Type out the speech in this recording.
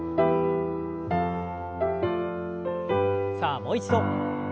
さあもう一度。